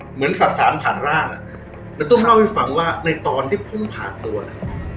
เหมือนสะสารผ่านร่างอ่ะแล้วตุ้มเล่าให้ฟังว่าในตอนที่ผมผ่านตัวเนี่ย